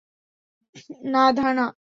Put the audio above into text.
না, ধানা।